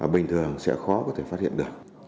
bình thường sẽ khó có thể phát hiện được